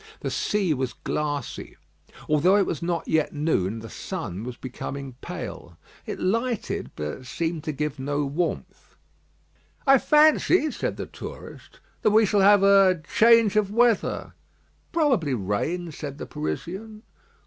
The sea was glassy. Although it was not yet noon, the sun was becoming pale. It lighted but seemed to give no warmth. "I fancy," said the tourist, "that we shall have a change of weather." "Probably rain," said the Parisian.